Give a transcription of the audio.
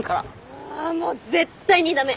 うわもう絶対に駄目。